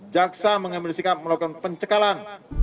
jaksa mengambil sikap melakukan pencekalan